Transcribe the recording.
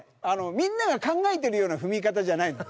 みんなが考えてるような踏み方じゃないの。